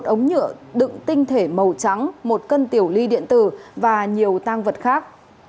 một ống nhựa đựng tinh thể màu trắng một cân tiểu ly điện tử và nhiều tang vật khác